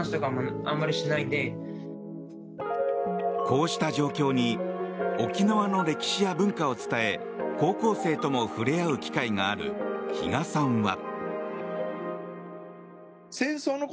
こうした状況に沖縄の歴史や文化を伝え高校生とも触れ合う機会がある比嘉さんは。